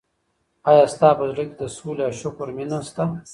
ایا ستا په زړه کي د سولي او شکر مینه سته؟